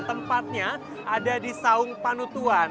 tempatnya ada di saung panu tuan